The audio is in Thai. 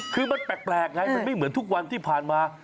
คือมันแปลกไงมันไม่เหมือนทุกวันที่ผ่านมา